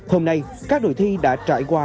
hôm nay các đội thi đã trải qua